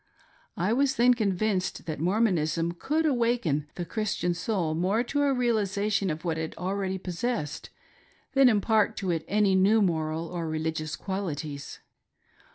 I was then convinced that Mormonism could awaken the Chris tian soul more to a realisation of what it already possessed; than impart to it any new moral or reUgious qualities.